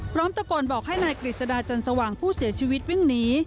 ตะโกนบอกให้นายกฤษดาจันสว่างผู้เสียชีวิตวิ่งหนี